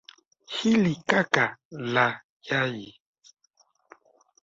Hili kaka la yai